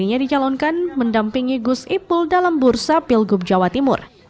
dirinya dicalonkan mendampingi gus ipul dalam bursa pilgub jawa timur